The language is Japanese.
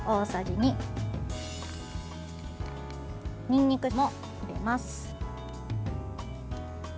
にんにくも入れます。